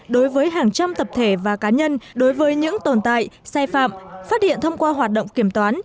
đối với hàng trăm tập thể và cá nhân đối với những tồn tại sai phạm phát hiện thông qua hoạt động kiểm toán